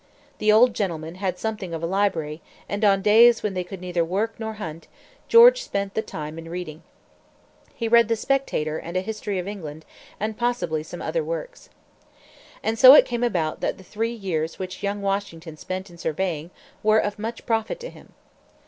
The old gentleman had something of a library, and on days when they could neither work nor hunt, George spent the time in reading. He read the Spectator and a history of England, and possibly some other works. And so it came about that the three years which young Washington spent in surveying were of much profit to him.